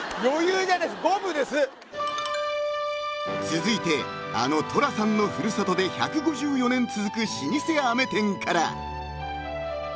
［続いてあの寅さんの古里で１５４年続く老舗あめ店から］